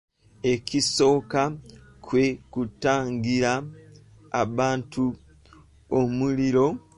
Ekisooka, kwe kutangira abantu omuliro.